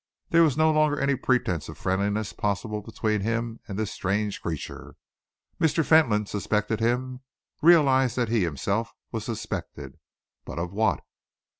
There was no longer any pretence of friendliness possible between him and this strange creature. Mr. Fentolin suspected him, realised that he himself was suspected. But of what?